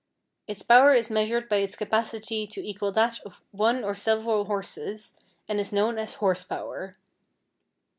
Its power is measured by its capacity to equal that of one or several horses, and is known as horse power.